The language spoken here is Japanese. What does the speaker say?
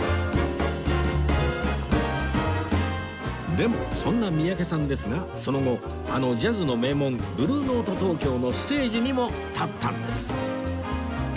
でもそんな三宅さんですがその後あのジャズの名門ブルーノート東京のステージにも立ったんです